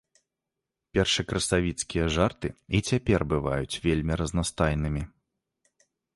Першакрасавіцкія жарты і цяпер бываюць вельмі разнастайнымі.